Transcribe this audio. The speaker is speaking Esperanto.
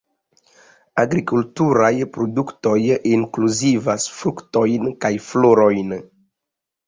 Agrikulturaj produktoj inkluzivas fruktojn kaj florojn.